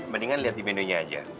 mendingan lihat di menu nya aja